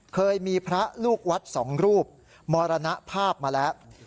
เคยมีพระลูกวัดสองรูปมรณภาพมาแล้ว